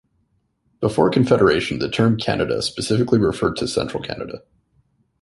Before Confederation, the term "Canada" specifically referred to Central Canada.